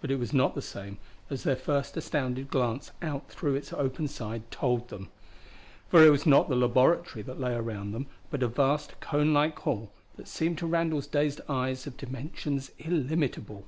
But it was not the same, as their first astounded glance out through its open side told them. For it was not the laboratory that lay around them, but a vast conelike hall that seemed to Randall's dazed eyes of dimensions illimitable.